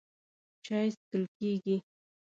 چای څښل کېږي.